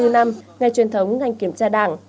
bảy mươi năm năm ngày truyền thống ngành kiểm tra đảng